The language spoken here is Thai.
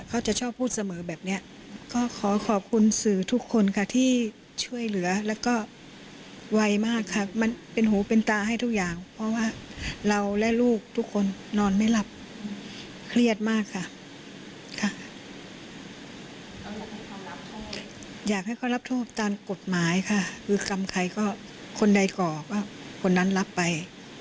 คือกรรมใครก็คนใดเกาะคนนั้นรับไป